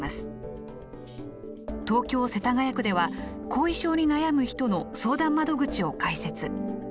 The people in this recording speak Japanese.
東京・世田谷区では後遺症に悩む人の相談窓口を開設。